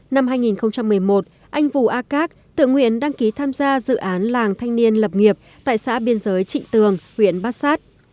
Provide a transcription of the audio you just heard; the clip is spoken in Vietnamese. năm hai nghìn một mươi một anh vũ a các tự nguyện đăng ký tham gia dự án làng thanh niên lập nghiệp tại xã biên giới trịnh tường huyện bát sát